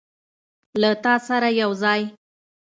له تا سره یوځای